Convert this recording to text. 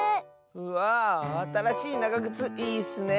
うわあたらしいながぐついいッスね。